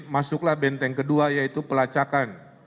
masuklah benteng kedua yaitu pelacakan